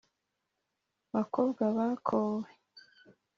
Bakobwa bakowe